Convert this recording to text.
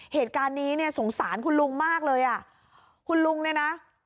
เหตุการณ์นี้เนี่ยสงสารคุณลุงมากเลยอ่ะคุณลุงเนี่ยนะ